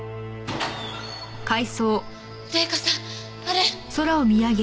麗香さんあれ！